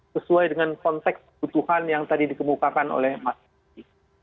sesuai dengan konteks kebutuhan yang tadi dikemukakan oleh mas adi